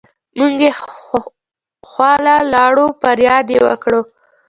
مونږ يې خواله لاړو فرياد يې وکړو